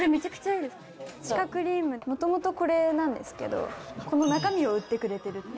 元々これなんですけどこの中身を売ってくれてる。